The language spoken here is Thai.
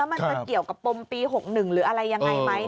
มันจะเกี่ยวกับปมปี๖๑หรืออะไรยังไงไหม